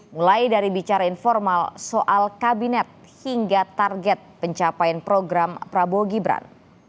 mulai dari bicara informal soal kabinet hingga target pencapaian program prabowo gibran